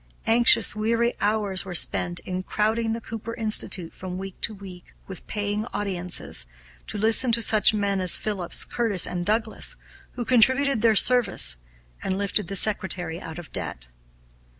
Anxious, weary hours were spent in crowding the Cooper Institute, from week to week, with paying audiences, to listen to such men as Phillips, Curtis, and Douglass, who contributed their services, and lifted the secretary out of debt.